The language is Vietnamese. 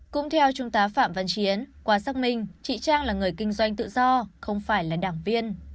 cũng theo trung tá phạm văn chiến qua xác minh chị trang là người kinh doanh tự do không phải là đảng viên